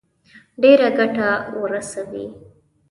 ډېره ګټه ورسوي.